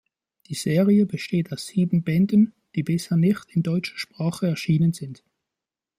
Die Serie besteht aus sieben Bänden, die bisher nicht in deutscher Sprache erschienen sind.